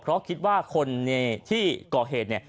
เพราะคิดว่าคนที่ก่อเหตุ